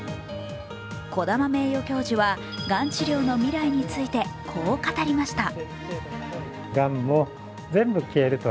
児玉名誉教授はがん治療の未来について、こう語りました。